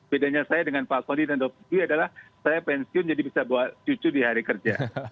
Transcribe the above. bedanya saya dengan pak soni dan dopi adalah saya pensiun jadi bisa bawa cucu di hari kerja